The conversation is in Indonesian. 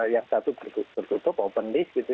yang satu tertutup open list gitu